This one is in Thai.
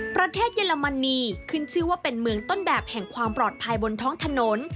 เยอรมนีขึ้นชื่อว่าเป็นเมืองต้นแบบแห่งความปลอดภัยบนท้องถนน